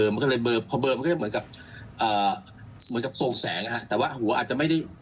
ก็กลับเหมือนกับโตงแสงแต่หัวอาจจะไม่ได้